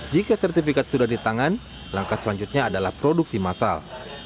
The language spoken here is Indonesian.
jika sertifikat sudah ditangan langkah selanjutnya adalah produksi massal